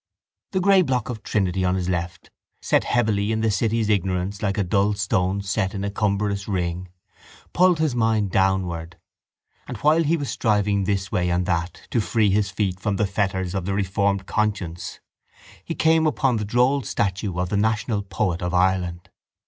The grey block of Trinity on his left, set heavily in the city's ignorance like a dull stone set in a cumbrous ring, pulled his mind downward and while he was striving this way and that to free his feet from the fetters of the reformed conscience he came upon the droll statue of the national poet of Ireland.